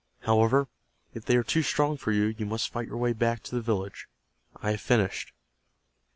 However, if they are too strong for you, you must fight your way back to the village. I have finished."